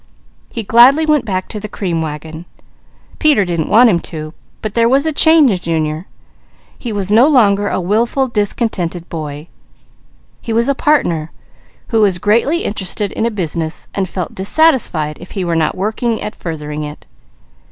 He gladly went back to the cream wagon. Peter didn't want him to, but there was a change in Junior. He was no longer a wilful discontented boy. He was a partner, who was greatly interested in a business and felt dissatisfied if he were not working at furthering it.